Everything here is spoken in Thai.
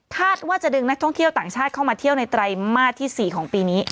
ว่าจะดึงนักท่องเที่ยวต่างชาติเข้ามาเที่ยวในไตรมาสที่๔ของปีนี้